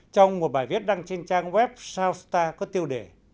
trong một bài viết đăng trên trang web sao có tiêu đề